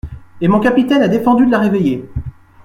Et mon capitaine a défendu de la réveiller.